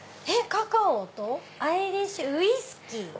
「カカオとアイリッシュウイスキー」！